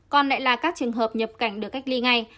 còn lại là các trường hợp nhập cảnh được cách ly ngay